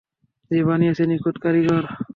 যে বানিয়েছে নিখুঁত কারিগর।